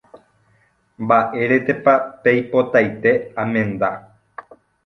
Mba'éretepa peipotaite amenda.